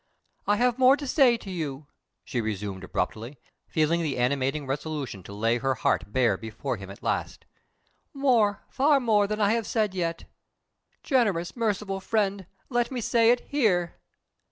"I have more to say to you," she resumed abruptly, feeling the animating resolution to lay her heart bare before him at last; "more, far more, than I have said yet. Generous, merciful friend, let me say it _here!